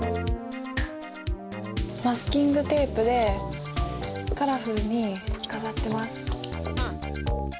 マスキングテープでカラフルに飾ってます。